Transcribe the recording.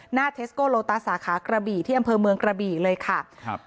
เทสโกโลตัสสาขากระบี่ที่อำเภอเมืองกระบี่เลยค่ะครับ